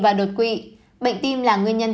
và đột quỵ bệnh tim là nguyên nhân